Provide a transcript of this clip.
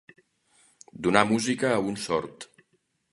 Donar música a un sord.